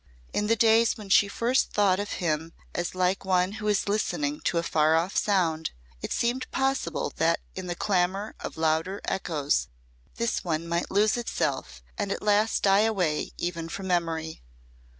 In the days when she first thought of him as like one who is listening to a far off sound, it seemed possible that in the clamour of louder echoes this one might lose itself and at last die away even from memory.